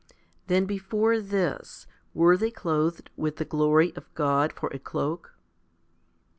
Then before this, were they clothed with the glory of God for a cloak?